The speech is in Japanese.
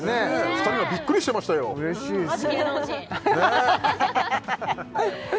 ２人はビックリしてましたよ嬉しいですよ